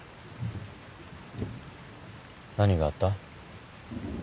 何があった？